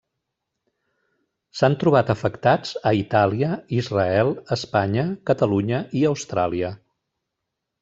S'han trobat afectats a Itàlia, Israel, Espanya, Catalunya i Austràlia.